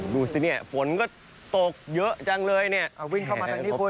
ดูสิเนี่ยฝนก็ตกเยอะจังเลยเนี่ย